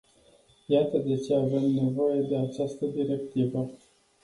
Iată de ce avem nevoie de această directivă.